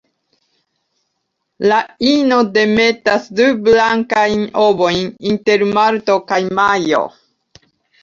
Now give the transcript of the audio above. La ino demetas du blankajn ovojn inter marto kaj majo.